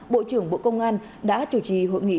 bộ trưởng bộ công an đã chủ trì hội nghị